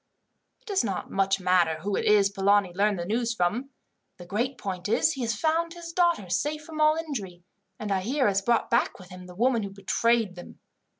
"It does not much matter who it is Polani learned the news from. The great point is, he has found his daughters safe from all injury, and I hear has brought back with him the woman who betrayed them.